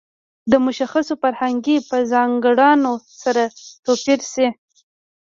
د مشخصو فرهنګي په ځانګړنو سره توپیر شي.